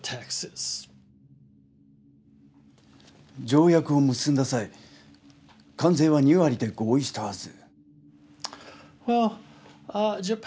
条約を結んだ際関税は２割で合意したはず。